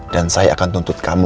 dan saya akan tuntut kamu